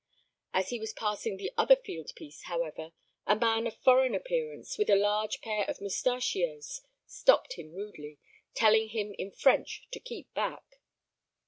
As he was passing the other field piece, however, a man of foreign appearance, with a large pair of mustachios, stopped him rudely, telling him in French to keep back.